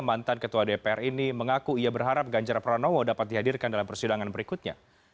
mantan ketua dpr ini mengaku ia berharap ganjar pranowo dapat dihadirkan dalam persidangan berikutnya